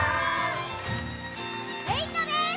えいとです！